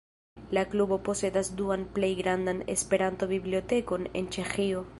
La Klubo posedas duan plej grandan Esperanto-bibliotekon en Ĉeĥio.